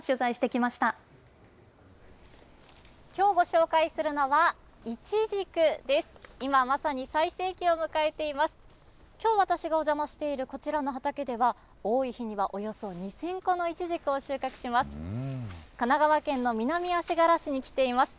きょう、私がお邪魔しているこちらの畑では、多い日にはおよそ２０００個のいちじくを収穫します。